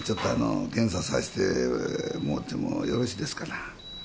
検査をさせてもろうてもよろしいですかな？